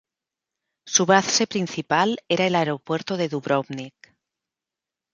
Su base principal era el aeropuerto de Dubrovnik.